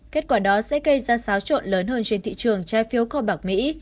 kết quả đó sẽ gây ra xáo trộn lớn hơn trên thị trường trái phiếu kho bạc mỹ